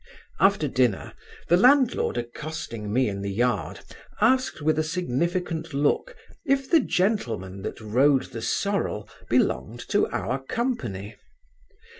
After dinner, the landlord accosting me in the yard, asked with a significant look, if the gentleman that rode the sorrel belonged to our company?